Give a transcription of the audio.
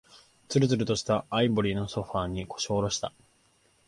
つるつるとしたアイボリーのソファーに、腰を下ろした。